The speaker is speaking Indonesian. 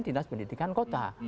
dinas pendidikan kota